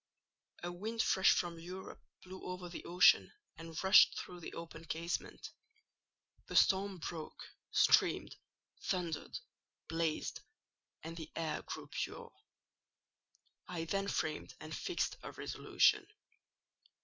"A wind fresh from Europe blew over the ocean and rushed through the open casement: the storm broke, streamed, thundered, blazed, and the air grew pure. I then framed and fixed a resolution.